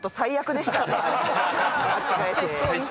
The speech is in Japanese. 間違えて。